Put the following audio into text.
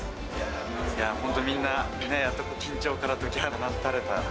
本当、みんな、やっと緊張から解き放たれた。